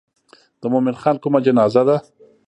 د مومن خان کومه جنازه ده.